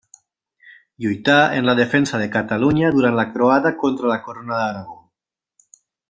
Lluità en la defensa de Catalunya durant la Croada contra la Corona d'Aragó.